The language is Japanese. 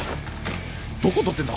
どこ撮ってんだ！